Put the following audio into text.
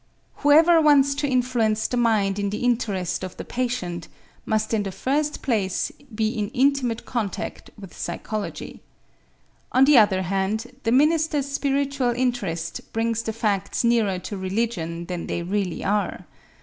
Whoever wants to influence the mind in the interest of the patient, must in the first place be in intimate contact with psychology. On the other hand, the minister's spiritual interest brings the facts nearer to religion than they really are.